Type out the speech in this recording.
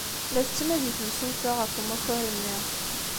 La tettnadi temsulta ɣef umakar-nni.